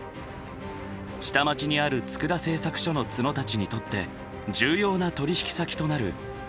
下町にある佃製作所の津野たちにとって重要な取引先となる帝国重工。